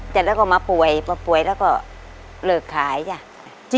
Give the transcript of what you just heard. เสร็จแล้วก็มาป่วยมาป่วยแล้วก็เลิกขายจ้ะ